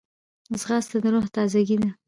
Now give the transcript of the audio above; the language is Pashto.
ځغاسته د روح تازګي ده